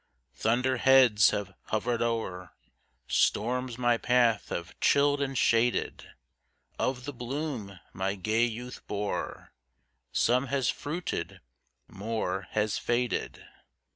Thunder heads have hovered o'er Storms my path have chilled and shaded; Of the bloom my gay youth bore, Some has fruited more has faded."